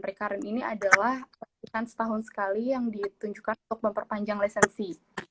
rekaran ini adalah perhatikan setahun sekali yang ditunjukkan untuk memperpanjang lesensi